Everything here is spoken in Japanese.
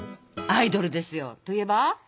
アイドルですよ。といえば？